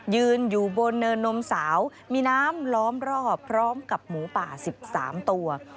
ยืนอยู่บนเนินนมสาวมีน้ำล้อมรอบพร้อมกับหมูป่า๑๓ตัว